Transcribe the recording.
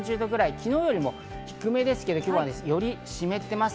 昨日よりも低めですが、今日はより湿っています。